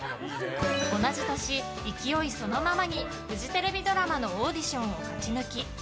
同じ年、勢いそのままにフジテレビドラマのオーディションを勝ち抜き。